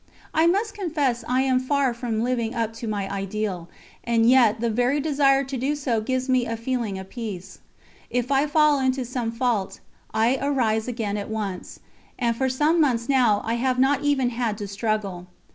I must confess I am far from living up to my ideal, and yet the very desire to do so gives me a feeling of peace. If I fall into some fault, I arise again at once and for some months now I have not even had to struggle.